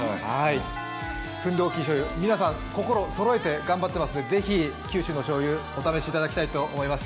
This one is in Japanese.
フンドーキン醤油、皆さん心をそろえて頑張っていますのでぜひ九州のしょうゆ、お試しいただきたいと思います。